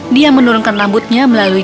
dia menurunkan rambutnya melalui